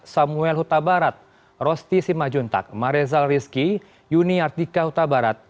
samuel huta barat rosti simajuntak marezal rizki yuni artika huta barat